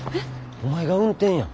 お前が運転や。